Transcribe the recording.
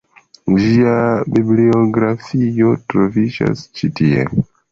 Ĝia bibliografio troviĝas ĉi tie.